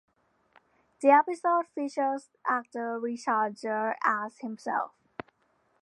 The episode features actor Richard Gere as himself.